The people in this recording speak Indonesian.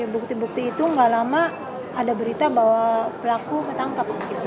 bukti bukti itu nggak lama ada berita bahwa pelaku ketangkep